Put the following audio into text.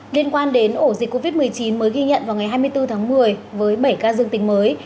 liên quan đến ổ dịch covid một mươi chín mới ghi nhận vào ngày hai mươi bốn tháng một mươi với bảy ca dương tính mới